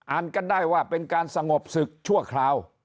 กันได้ว่าเป็นการสงบศึกชั่วคราว